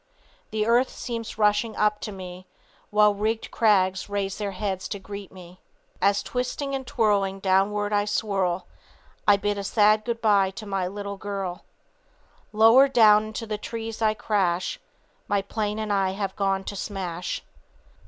The earth seems rushing up to me; While rigged crags raise their heads to greet me. As twisting and twirling downward I swirl; I bid a sad good bye to a little girl. Lower down into the trees I crash; My plane and I have gone to smash.